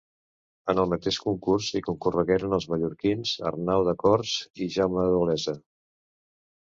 En el mateix concurs hi concorregueren els mallorquins Arnau de Cors i Jaume d’Olesa.